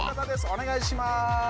お願いします